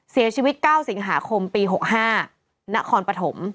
เสียชีวิต๙สิงหาคมปี๖๕นครปฐม